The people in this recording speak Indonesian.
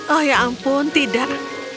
oh ya ampun tidak